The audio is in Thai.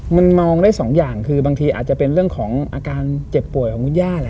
มันมองได้สองอย่างคือบางทีอาจจะเป็นเรื่องของอาการเจ็บป่วยของคุณย่าแหละ